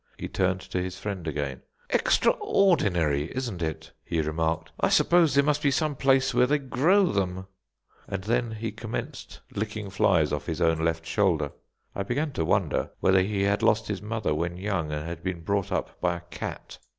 He turned to his friend again. "Extraordinary, isn't it?" he remarked; "I suppose there must be some place where they grow them"; and then he commenced licking flies off his own left shoulder. I began to wonder whether he had lost his mother when young, and had been brought up by a cat.